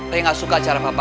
rey gak suka cara papa